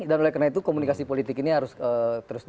dan oleh karena itu komunikasi politik ini harus terus dihentikan